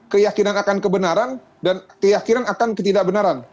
keyakinan akan kebenaran dan keyakinan akan ketidakbenaran